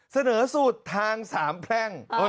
เสนอสูตรทางสามแพร่ง